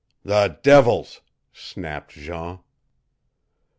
"The devils!" snapped Jean.